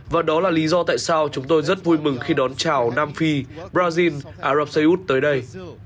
và đó là lý do tại sao chúng tôi rất vui mừng khi đón chào nam phi brazil arab saud tới đây